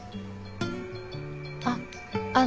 あっ。